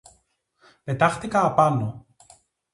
Πετάχτηκα απάνω.